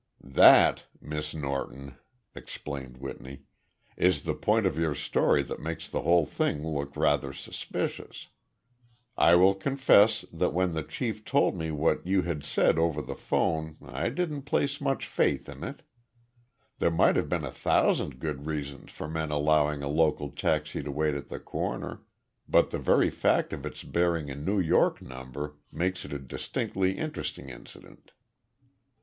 "That, Miss Norton," explained Whitney, "is the point of your story that makes the whole thing look rather suspicious. I will confess that when the chief told me what you had said over the phone I didn't place much faith in it. There might have been a thousand good reasons for men allowing a local taxi to wait at the corner, but the very fact of its bearing a New York number makes it a distinctly interesting incident."